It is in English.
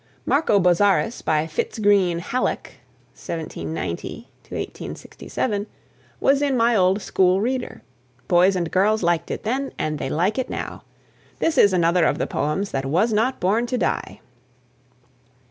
"Marco Bozzaris," by Fitz Greene Halleck (1790 1867), was in my old school reader. Boys and girls liked it then and they like it now. This is another of the poems that was not born to die.